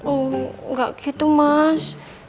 oh gak gitu mas